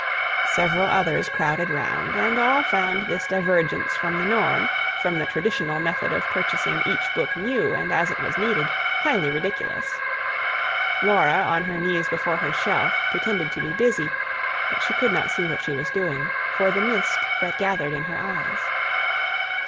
Several others crowded round; and all found this divergence from the norm, from the traditional method of purchasing each book new and as it was needed, highly ridiculous. Laura, on her knees before her shelf, pretended to be busy; but she could not see what she was doing, for the mist that gathered in her eyes.